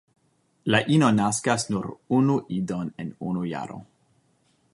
La ino naskas nur unu idon en unu jaro.